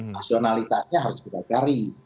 nasionalitasnya harus berbagari